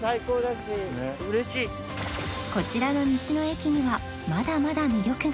こちらの道の駅にはまだまだ魅力が